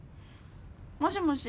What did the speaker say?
もしもし